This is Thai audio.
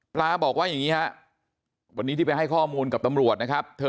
ปลาบอกว่าอย่างนี้ฮะวันนี้ที่ไปให้ข้อมูลกับตำรวจนะครับ